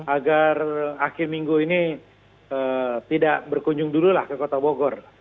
agar akhir minggu ini tidak berkunjung dulu lah ke kota bogor